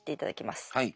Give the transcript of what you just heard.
はい。